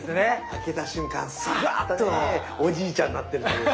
開けた瞬間ふわっとおじいちゃんになってるという。